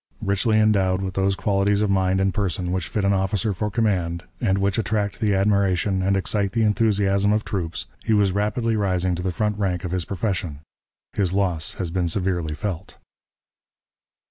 Richly endowed with those qualities of mind and person which fit an officer for command, and which attract the admiration and excite the enthusiasm of troops, he was rapidly rising to the front rank of his profession. His loss has been severely felt."